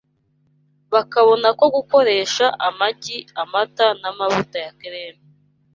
bakabona ko gukoresha amagi, amata, n’amavuta ya kereme